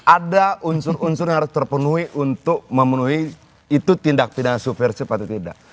ada unsur unsur yang harus terpenuhi untuk memenuhi itu tindak pidana subversif atau tidak